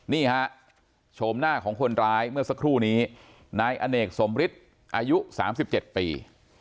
นี่ฮะโฉมหน้าของคนร้ายเมื่อสักครู่นี้นายอเนกสมฤทธิ์อายุ๓๗ปี